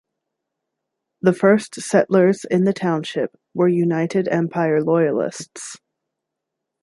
The first settlers in the township were United Empire Loyalists.